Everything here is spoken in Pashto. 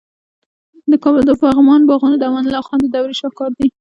د کابل د پغمان باغونه د امان الله خان د دورې شاهکار دي